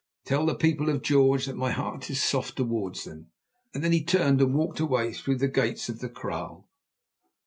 Tell the People of George that my heart is soft towards them." Then he turned and walked away through the gates of the kraal.